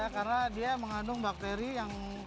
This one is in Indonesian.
karena dia mengandung bakteri yang